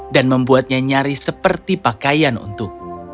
dan membuatnya nyaris seperti pakaian untuk